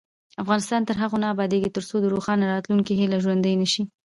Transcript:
افغانستان تر هغو نه ابادیږي، ترڅو د روښانه راتلونکي هیله ژوندۍ نشي.